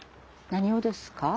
何をですか？